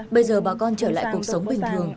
bây giờ bà con trở lại cuộc sống bình thường